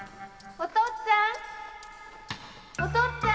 お父っつぁん！